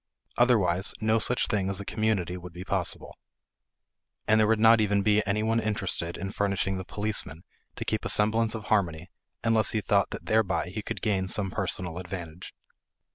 Otherwise, no such thing as a community would be possible. And there would not even be any one interested in furnishing the policeman to keep a semblance of harmony unless he thought that thereby he could gain some personal advantage.